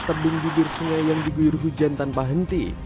tebing bibir sungai yang diguyur hujan tanpa henti